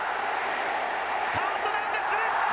カウントダウンが進む！